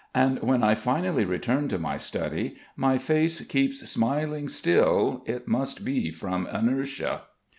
And when I finally return to my study my face keeps smiling still, it must be from inertia.